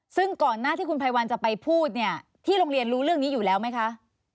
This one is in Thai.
ซึ่งก่อนหน้าที่คุณภัยวัลจะไปพูดเนี่ยที่โรงเรียนรู้เรื่องนี้อยู่แล้วไหมคะ